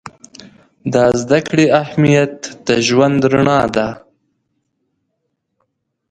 د زده کړې اهمیت د ژوند رڼا ده.